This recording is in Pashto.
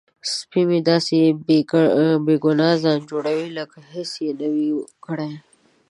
سپی مې داسې بې ګناه ځان جوړوي لکه هیڅ یې نه وي کړي.